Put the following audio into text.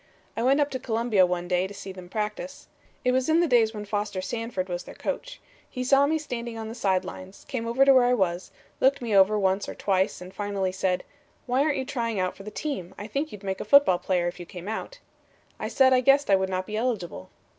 "I went up to Columbia one day to see them practice. It was in the days when Foster Sanford was their coach. He saw me standing on the side lines; came over to where I was; looked me over once or twice and finally said: "'Why aren't you trying for the team? I think you'd make a football player if you came out.' "I said I guessed I would not be eligible.